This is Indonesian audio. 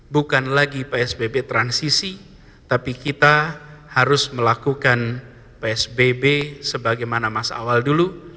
bukan lagi psbb transisi tapi kita harus melakukan psbb sebagaimana masa awal dulu